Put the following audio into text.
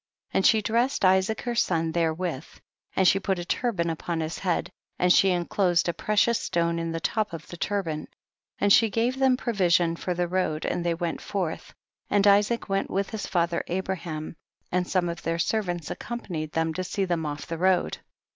1 5. And she dressed Isaac her son therewith, and she put a turban upon his head, and she enclosed a precious stone in the top of the turban, and she gave them provision for the road^ and they went forth, and Isaac went with his father Abraham, and some of their servants accompanied them to see them off the road.